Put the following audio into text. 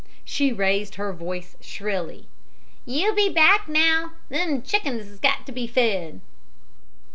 She raised her voice shrilly. "You be back, now; them chickens has got to be fed!"